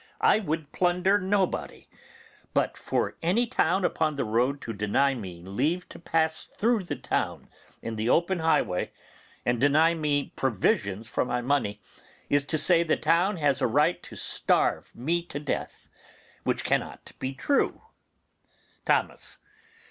I would plunder nobody; but for any town upon the road to deny me leave to pass through the town in the open highway, and deny me provisions for my money, is to say the town has a right to starve me to death, which cannot be true. Thomas.